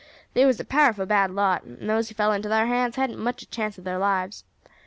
They was a powerful bad lot, and those who fell into thar hands hadn't much chance of thar lives.